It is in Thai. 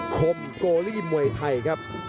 คมโกลีมวยไทยครับ